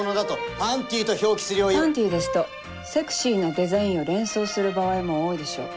「パンティ」ですとセクシーなデザインを連想する場合も多いでしょう。